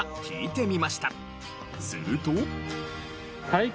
すると。